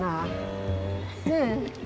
ねえ。